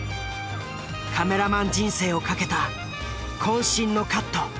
カメラマン人生を懸けた渾身のカット。